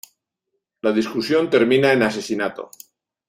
La discusión termina en asesinato.